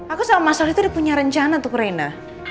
aku sama mas soly udah punya rencana untuk reina